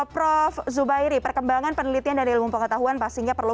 prof zubairi perkembangan penelitian dan ilmu pengetahuan pastinya perlu